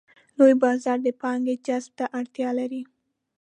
لوی بازار د پانګې جذب ته اړتیا لري.